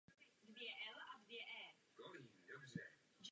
Protiva dosáhl významného postavení.